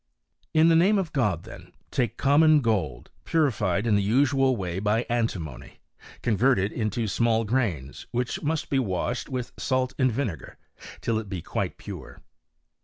in the name of God, then, take common gold, pu rified in the usual way by antimony, convert it into small grains, which must be washed with salt and vine gar, till it be quite pure.